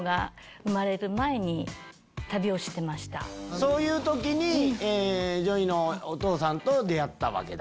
そういう時にＪＯＹのお父さんと出会ったわけだ。